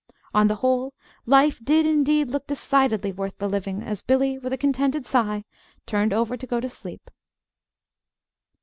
On the whole, life did, indeed, look decidedly worth the living as Billy, with a contented sigh, turned over to go to sleep.